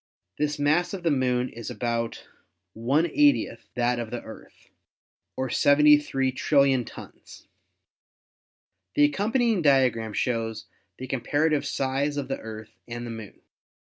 This mass of the Moon is about l / n that of the Earth, or 73,000,000,000,000 tons. The accompanying diagram shows the comparative size of the Earth and the Moon.